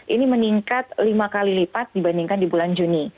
ini meningkat lima kali lipat dibandingkan di bulan juni